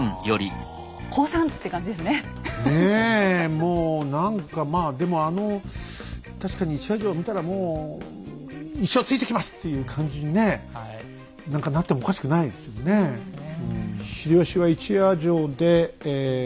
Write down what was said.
もう何かまあでもあの確かに一夜城見たらもう一生ついてきますっていう感じにね何かなってもおかしくないですよねうん。ってことですね